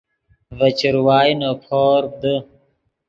ڤے چروائے نے پورپ دے